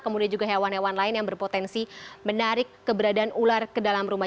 kemudian juga hewan hewan lain yang berpotensi menarik keberadaan ular ke dalam rumah